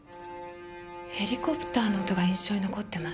ヘリコプターの音が印象に残ってます。